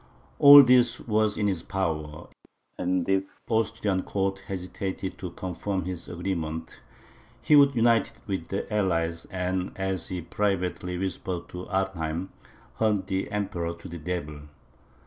All this was in his power; and if the Austrian court hesitated to confirm his agreement, he would unite with the allies, and (as he privately whispered to Arnheim) hunt the Emperor to the devil."